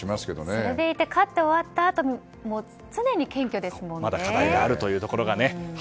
それでいて勝って終わったあともまだ課題があるというところが。